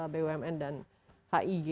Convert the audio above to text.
bumn dan hig